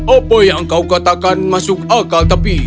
apa yang engkau katakan masuk akal tapi